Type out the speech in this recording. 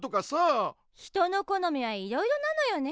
人の好みはいろいろなのよね。